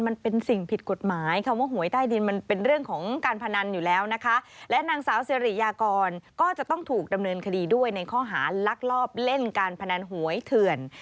และนางสาวเสรียากรก็จะต้องถูกดำเนินคดีด้วยในข้อหารักลอบเล่นการพนันหวยเถื่อน